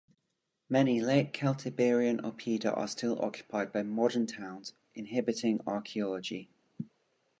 Many late Celtiberian "oppida" are still occupied by modern towns, inhibiting archaeology.